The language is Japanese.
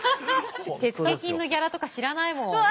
手付金のギャラとか知らないもん。